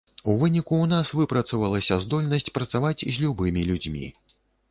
У выніку ў нас выпрацавалася здольнасць працаваць з любымі людзьмі.